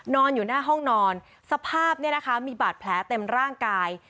นอนอยู่หน้าห้องนอนสภาพมีบาดแผลเต็มร่างกาย